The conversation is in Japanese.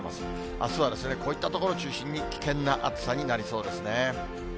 あすはこういった所中心に危険な暑さになりそうですね。